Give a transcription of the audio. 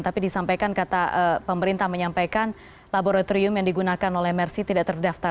tapi disampaikan kata pemerintah menyampaikan laboratorium yang digunakan oleh mersi tidak terdaftar